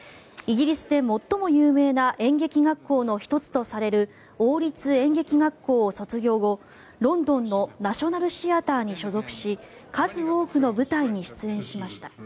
イギリスで最も有名な演劇学校の１つとされる王立演劇学校を卒業後ロンドンのナショナル・シアターに所属し数多くの舞台に出演しました。